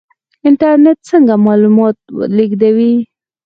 انټرنیټ څنګه معلومات لیږدوي؟